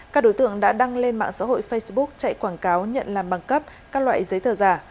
các đối tượng đã đăng lên mạng xã hội facebook chạy quảng cáo nhận làm bằng cấp các loại giấy tờ giả